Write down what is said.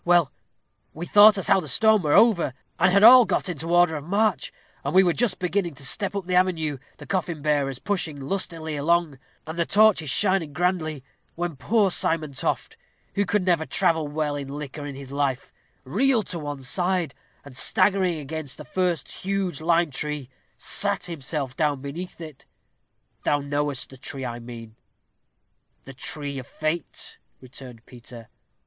Well, we thought as how the storm were all over and had all got into order of march, and were just beginning to step up the avenue, the coffin bearers pushing lustily along, and the torches shining grandly, when poor Simon Toft, who could never travel well in liquor in his life, reeled to one side, and staggering against the first huge lime tree, sat himself down beneath it thou knowest the tree I mean." "The tree of fate," returned Peter.